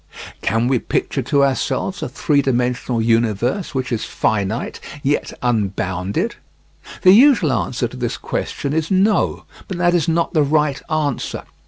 Can we picture to ourselves a three dimensional universe which is finite, yet unbounded? The usual answer to this question is "No," but that is not the right answer.